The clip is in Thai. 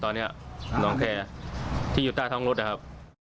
ที่นอนอยู่ลงมณตอนเนี่ยค่ะที่อยู่ใจทั้งกลับครับ